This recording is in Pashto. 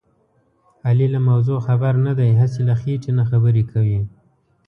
علي له موضوع خبر نه دی. هسې له خېټې نه خبرې کوي.